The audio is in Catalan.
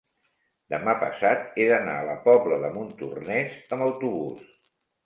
demà passat he d'anar a la Pobla de Montornès amb autobús.